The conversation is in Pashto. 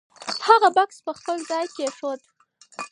هغه بکس په خپل ځای کېښود.